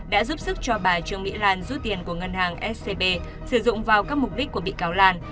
đã giúp sức cho bà trương mỹ lan rút tiền của ngân hàng scb sử dụng vào các mục đích của bị cáo lan